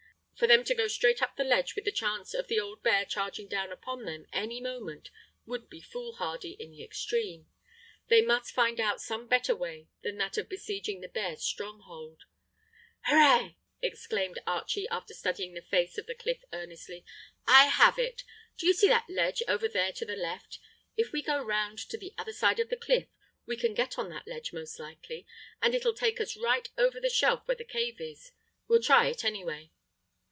For them to go straight up the ledge with the chance of the old bear charging down upon them any moment would be foolhardy in the extreme. They must find out some better way than that of besieging the bears' stronghold. "Hurrah!" exclaimed Archie, after studying the face of the cliff earnestly. "I have it! Do you see that ledge over there to the left? If we go round to the other side of the cliff we can get on that ledge most likely, and it'll take us to right over the shelf where the cave is. We'll try it, anyway."